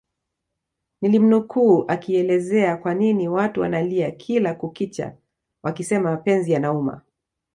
nilimnukuu akielezea kwanini watu wanalia kila kukicha wakisema mapenzi yanauma